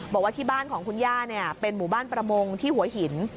บอกว่าที่บ้านของคุณย่าเป็นหมู่บ้านประมงที่หัวหิน